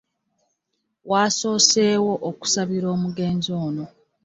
Waasooseewo okusabira omugenzi ono